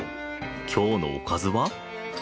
今日のおかずは？